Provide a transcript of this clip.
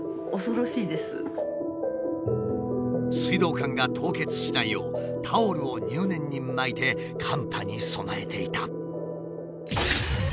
水道管が凍結しないようタオルを入念に巻いて寒波に備えていた。